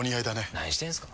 何してんすか。